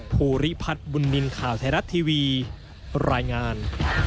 ภูริพัฒน์บุญนินทร์ข่าวไทยรัฐทีวีรายงาน